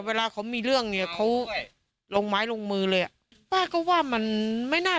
เวลาเขามีเรื่องเนี้ยเขาลงไม้ลงมือเลยอ่ะป้าก็ว่ามันไม่น่า